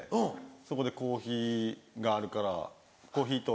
そこでコーヒーがあるからコーヒーと。